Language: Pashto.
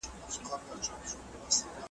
مامور مجسمې ته اشاره وکړه.